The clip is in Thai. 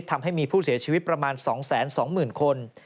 ทำให้มีผู้เสียชีวิตประมาณ๒๒๐๐๐คน